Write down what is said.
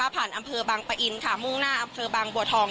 อำเภอบางปะอินค่ะมุ่งหน้าอำเภอบางบัวทอง